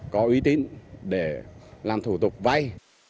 có uy tín để làm thủ tục vai